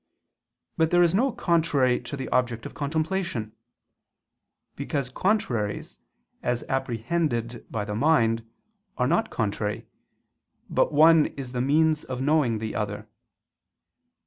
But there is no contrary to the object of contemplation: because contraries, as apprehended by the mind, are not contrary, but one is the means of knowing the other.